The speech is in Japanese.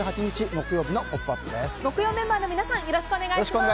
木曜メンバーの皆さんよろしくお願いします。